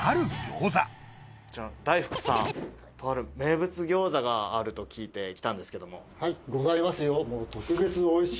こちら大福さんとある名物餃子があると聞いて来たんですけどもはいございますよお！